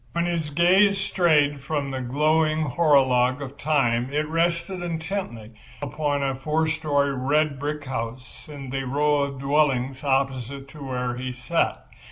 When his gaze strayed from the glowing horologue of time it rested intently upon a four story red brick house in the row of dwellings opposite to where he sat.